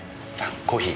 コーヒー。